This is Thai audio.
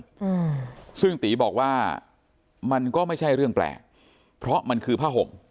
อืมซึ่งตีบอกว่ามันก็ไม่ใช่เรื่องแปลกเพราะมันคือผ้าห่ม